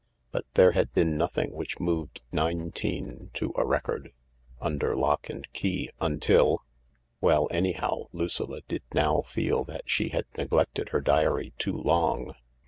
But there had been nothing which moved nineteen to a record — under lock and key— nintil .., Well, anyhow, Lucilla did now feel that she had neglected her diary too long.